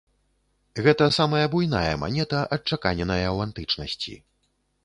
Гэта самая буйная манета, адчаканеная ў антычнасці.